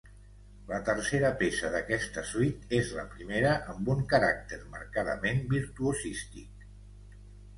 La tercera peça d’aquesta suite és la primera amb un caràcter marcadament virtuosístic.